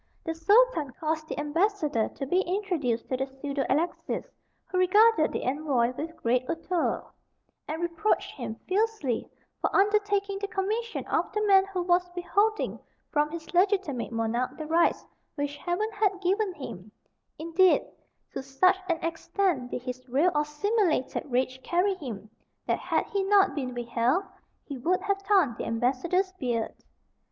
The Sultan caused the ambassador to be introduced to the pseudo Alexis, who regarded the envoy with great hauteur, and reproached him fiercely for undertaking the commission of the man who was withholding from his legitimate monarch the rights which Heaven had given him; indeed, to such an extent did his real or simulated rage carry him, that had he not been withheld he would have torn the ambassador's beard.